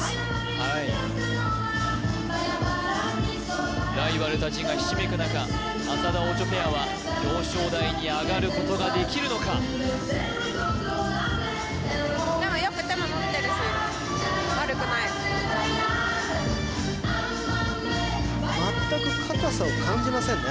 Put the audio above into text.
はいライバル達がひしめく中浅田・オチョペアは表彰台に上がることができるのか全く硬さを感じませんね